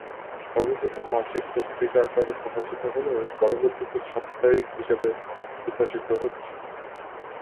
সর্বপ্রথম মাসিক পত্রিকা আকারে প্রকাশিত হলেও পরবর্তীতে সাপ্তাহিক হিসেবে প্রকাশিত হচ্ছে।